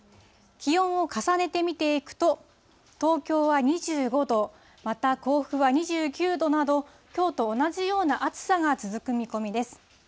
気温を重ねて見ていくと、東京は２５度、また甲府は２９度など、きょうと同じような暑さが続く見込みです。